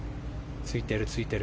ついてる、ついてる。